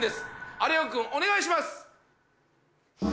有岡君お願いします！